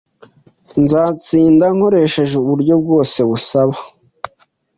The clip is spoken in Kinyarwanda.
Nzatsinda nkoresheje uburyo bwose busaba.